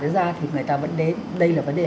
thực ra thì người ta vẫn đến đây là vấn đề